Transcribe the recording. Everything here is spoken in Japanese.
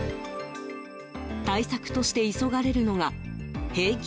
対策として急がれるのが平均